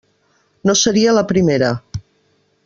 No seria la primera.